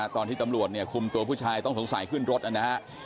ตอนที่ตำรวจเนี่ยคุมตัวผู้ชายต้องสงสัยขึ้นรถนะฮะ